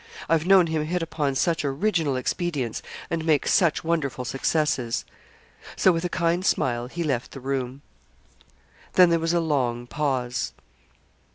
I've known him hit upon such original expedients, and make such wonderful successes.' So with a kind smile he left the room. Then there was a long pause.